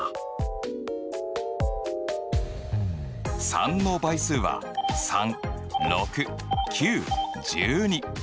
３の倍数は３６９１２。